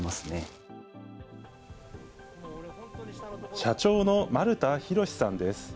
社長の丸田洋さんです。